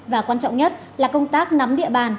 và quan trọng nhất là công tác nắm địa bàn